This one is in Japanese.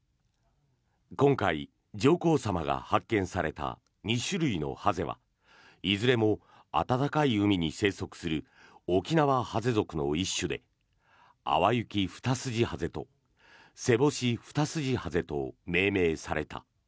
今回、上皇さまが発見された２種類のハゼはいずれも温かい海に生息するオキナワハゼ属の一種でアワユキフタスジハゼとセボシフタスジハゼと命名された。